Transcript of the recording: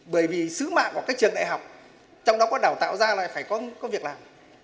bởi vì sứ mạng của các trường đại học trong đó có đào tạo ra là phải có việc làm